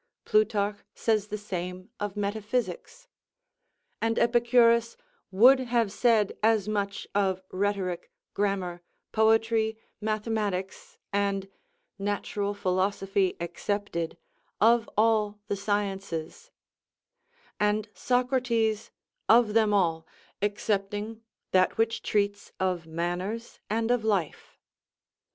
Plutarch says the same of metaphysics. And Epicurus would have said as much of rhetoric, grammar, poetry, mathematics, and, natural philosophy excepted, of all the sciences; and Socrates of them all, excepting that which treats of manners and of life.